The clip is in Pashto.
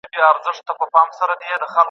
که مرګ راشي نو ناروغي ځي.